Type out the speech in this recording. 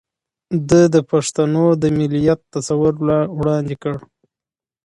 ده د پښتنو د مليت تصور وړاندې کړ